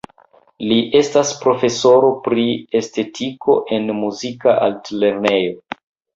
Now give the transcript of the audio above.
Li estas profesoro pri estetiko en muzika altlernejo.